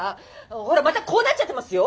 ほらまた「こう」なっちゃってますよ？